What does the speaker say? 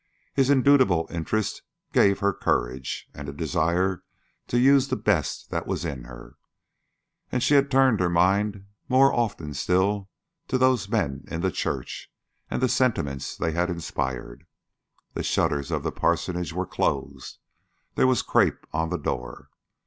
His indubitable interest gave her courage, and a desire to use the best that was in her. And she had turned her mind more often still to those men in the church and the sentiments they had inspired. The shutters of the parsonage were closed, there was crape on the door.